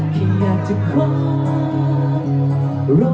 แค่อยากจะคอนรอง